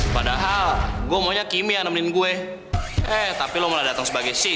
jangan ulangin kesalahan yang sama darren